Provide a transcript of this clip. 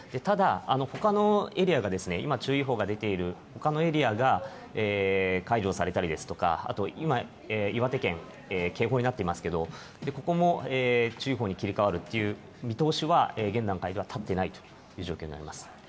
ただ、ほかのエリアが今、注意報が出ているほかのエリアが、解除されたりですとか、あと今、岩手県、警報になっていますけど、ここも注意報に切り替わるという見通しは、現段階では立っていないという状況になります。